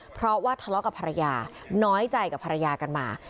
เพราะว่าทะเลาะกับภรรยาน้อยใจกับภรรยากันมา